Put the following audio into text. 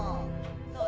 そう。